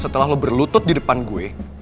setelah lo berlutut didepan gue